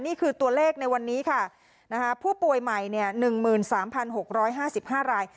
นี่คือตัวเลขในวันนี้ค่ะผู้ป่วยใหม่๑๓๖๕๕ราย